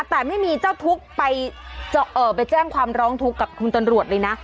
แต่ไม่มีเจ้าทุกข์ไปแจ้งความร้องทุกข์กับคุณตำรวจเลยนะ